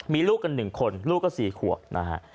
มีลูกกันหนึ่งคนลูกก็สี่ขวดนะฮะ